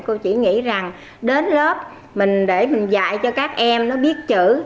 cô chỉ nghĩ rằng đến lớp mình để mình dạy cho các em nó biết chữ